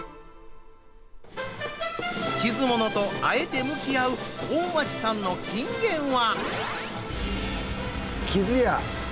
きず物とあえて向き合う大町さんの金言は。